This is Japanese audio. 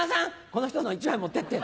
この人のを１枚持ってって。